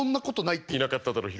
いなかっただろ昼。